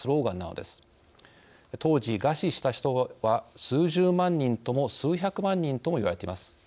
当時餓死した人は数十万人とも数百万人ともいわれています。